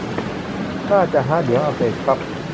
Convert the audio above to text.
น่าจะฮะ เดี๋ยวอัปเดตครับ